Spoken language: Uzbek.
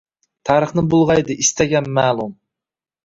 Tarixni bulgʻaydi istagan malʼun